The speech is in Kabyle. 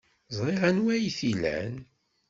Ẓriɣ anwa ay t-ilan.